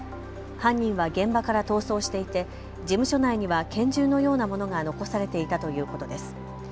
犯人は現場から逃走していて事務所内には拳銃のようなものが残されていたということです。